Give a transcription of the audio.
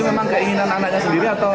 memang keinginan anaknya sendiri atau